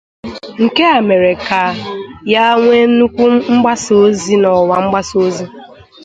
Nke a mere ka ya nwee nnukwu mgbasa ozi na ọwa mgbasa ozi.